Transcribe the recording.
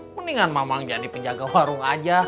mendingan mamah jadi penjaga warung aja